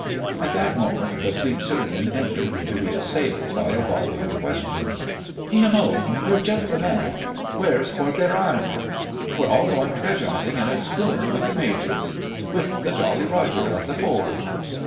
At that moment the Fleet Surgeon entered, to be assailed by a volley of questions. "P.M.O.! You're just the man! Where's Porte des Reines?" "We're all going treasure hunting in a schooner with the Major!" "With the Jolly Roger at the fore!"